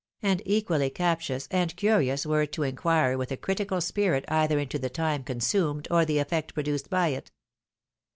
and equally captious and curious were it to inquire with a critical spirit either into the time consumed, or the effect produced by it.